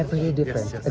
ya karena suara